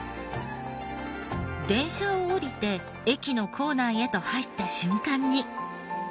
電車を降りて駅の構内へと入った瞬間に。